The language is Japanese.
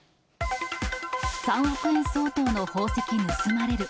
３億円相当の宝石盗まれる。